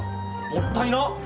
もったいな！